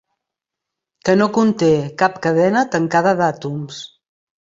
Que no conté cap cadena tancada d'àtoms.